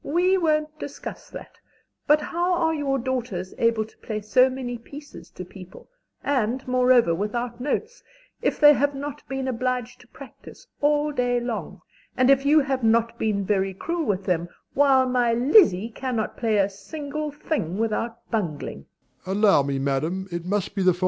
We won't discuss that; but how are your daughters able to play so many pieces to people, and moreover without notes, if they have not been obliged to practise all day long, and if you have not been very cruel with them, while my Lizzie cannot play a single thing without bungling?